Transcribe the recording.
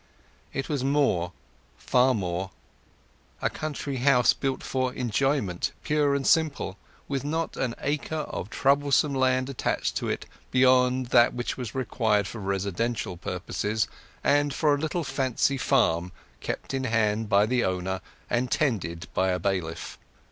It was more, far more; a country house built for enjoyment pure and simple, with not an acre of troublesome land attached to it beyond what was required for residential purposes, and for a little fancy farm kept in hand by the owner, and tended by a bailiff.